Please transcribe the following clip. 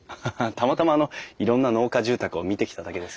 たまたまあのいろんな農家住宅を見てきただけです。